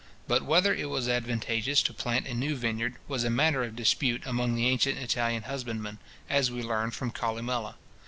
But whether it was advantageous to plant a new vineyard, was a matter of dispute among the ancient Italian husbandmen, as we learn from Columella.